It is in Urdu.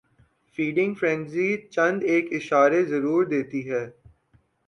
فیڈنگ فرینزی چند ایک اشارے ضرور دیتی ہے